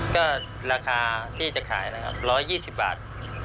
ก็ราคาที่จะขายนะครับ๑๒๐บาท